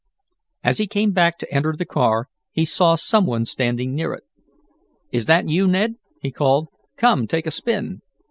As he came back to enter the car, he saw some one standing near it. "Is that you, Ned?" he called. "Come, take a spin."